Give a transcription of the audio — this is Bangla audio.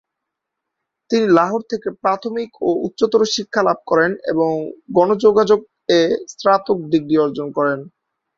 তিনি লাহোর থেকে প্রাথমিক ও উচ্চতর শিক্ষা লাভ করেন এবং গণযোগাযোগ-এ স্নাতক ডিগ্রি অর্জন করেন।